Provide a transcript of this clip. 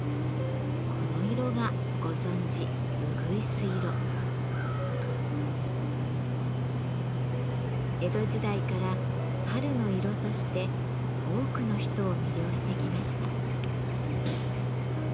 この色がご存じ江戸時代から春の色として多くの人を魅了してきました。